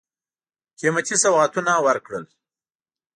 قېمتي سوغاتونه ورکړل.